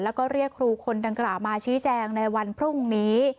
แล้วก็เรียกครูคนดังกล่าวมาชี้แจงในวันพรุ่งนี้